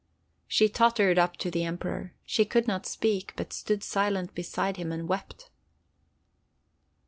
She tottered up to the Emperor. She could not speak, but stood silent beside him, and wept.